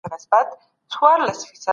خو د دې لپاره زحمت او فکر پکار دی.